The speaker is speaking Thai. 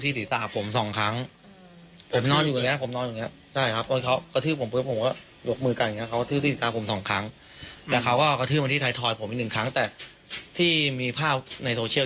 ที่สีตาผมสองครั้งผมนอนอยู่แบบเนี่ยผมนอนอยู่แบบเนี่ย